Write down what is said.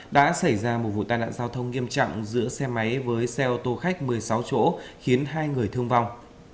đã xảy ra một vụ tai nạn giao thông nghiêm trọng giữa xe máy với xe ô tô khách một mươi sáu chỗ khiến hai người thương vong